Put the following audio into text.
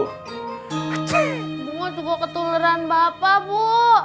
aku mau cukup ketuluran bapak bu